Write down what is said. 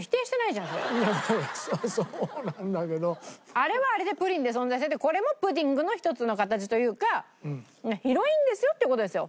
あれはあれでプリンで存在しててこれもプディングの一つの形というか広いんですよって事ですよ。